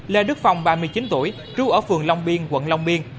lê đức phong ba mươi chín tuổi trú ở phường long biên quận long biên